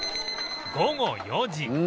午後４時